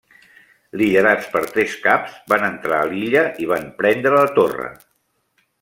Liderats per tres caps, van entrar a l'illa i van prendre la torre.